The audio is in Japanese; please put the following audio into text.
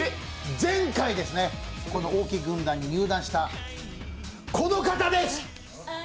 前回、大木軍団に入団したこの方です。